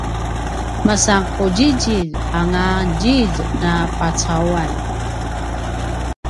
masan qudjidjilj anga djilj na pucauan